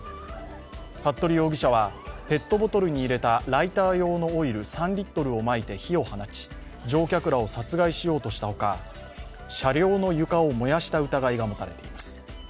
服部容疑者はペットボトルに入れたライター用のオイル３リットルをまいて火を放ち乗客らを殺害しようとしたほか、車両の床を燃やした疑いが持たれています。